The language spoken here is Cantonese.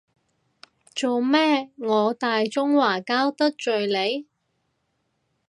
做咩，我大中華膠得罪你？